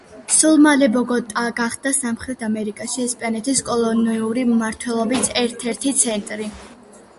სულ მალე ბოგოტა გახდა სამხრეთ ამერიკაში ესპანეთის კოლონიური მმართველობის ერთ-ერთი ცენტრი.